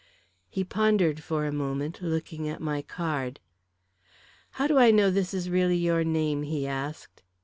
He pondered for a moment, looking at my card. "How do I know this is really your name?" he asked.